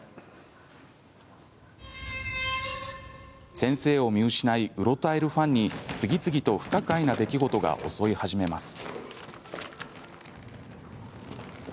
先生を見失いうろたえるファンに次々と不可解な出来事が襲い始めます。